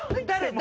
誰？